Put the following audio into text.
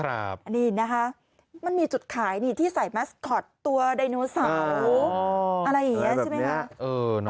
อันนี้เห็นไหมคะมันมีจุดขายที่ใส่มาสก็อตตัวดัยโนเสาร์อะไรอีกใช่ไหมคะ